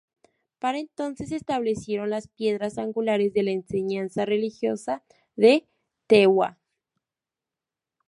Para entonces se establecieron las piedras angulares de la enseñanza religiosa de Te Ua.